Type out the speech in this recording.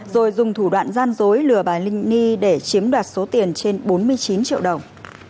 rồi dùng thủ đoạn gian dối lừa bà linh ni để chiếm đoạt số tiền trên bốn mươi chín triệu đồng